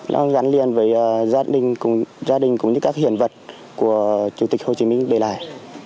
nó gắn liền với gia đình cũng như các hiển vật của chủ tịch hồ chí minh bề lại